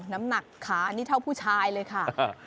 น้ำหนักขานี่เท่าผู้ชายเลยค่ะ